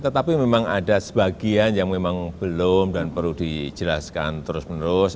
tetapi memang ada sebagian yang memang belum dan perlu dijelaskan terus menerus